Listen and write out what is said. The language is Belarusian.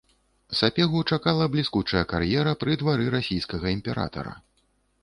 Сапегу чакала бліскучая кар'ера пры двары расійскага імператара.